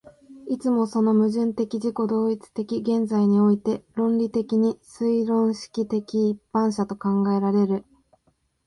いつもその矛盾的自己同一的現在において論理的に推論式的一般者と考えられる。